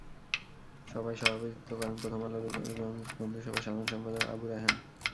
সভায় সভাপতিত্ব করেন প্রথম আলো রায়গঞ্জ বন্ধুসভার সাধারণ সম্পাদক আবু রায়হান।